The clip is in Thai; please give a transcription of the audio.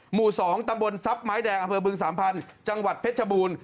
หมู่๒ตำบลทรัพย์ไม้แดงอำเภอบึงสามพันธุ์จังหวัดเพชรชบูรณ์